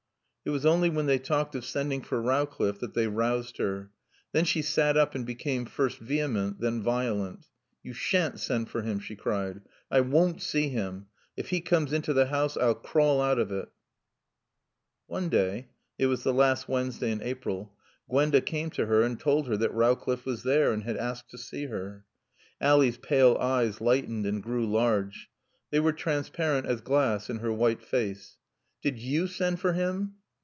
It was only when they talked of sending for Rowcliffe that they roused her. Then she sat up and became, first vehement, then violent. "You shan't send for him," she cried. "I won't see him. If he comes into the house I'll crawl out of it." One day (it was the last Wednesday in April) Gwenda came to her and told her that Rowcliffe was there and had asked to see her. Ally's pale eyes lightened and grew large. They were transparent as glass in her white face. "Did you send for him?"